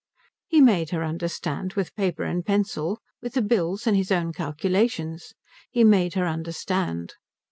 He made her understand. With paper and pencil, with the bills and his own calculations, he made her understand.